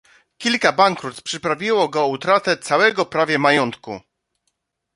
"Kilka bankructw przyprawiło go o utratę całego prawie majątku."